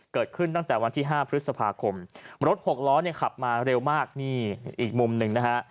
เกิดขึ้นตั้งแต่วันที่๕พฤษภาคมรถหกล้อเนี่ยขับมาเร็วมากนี่อีกมุมหนึ่งนะฮะ